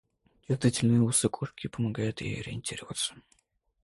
Чувствительные усы кошки помогают ей ориентироваться.